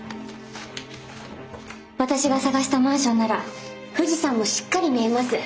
私が探したマンションなら富士山もしっかり見えます。